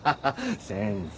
先生